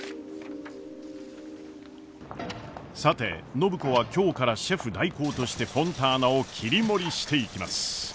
さて暢子は今日からシェフ代行としてフォンターナを切り盛りしていきます。